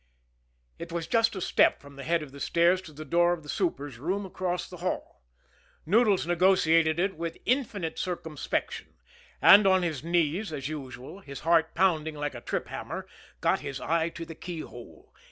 It was just a step from the head of the stairs to the door of the super's room across the hall. Noodles negotiated it with infinite circumspection, and, on his knees as usual, his heart pounding like a trip hammer, got his eye to the keyhole.